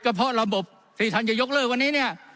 เพราะระบบที่ท่านจะยกเลิกวันนี้เนี่ย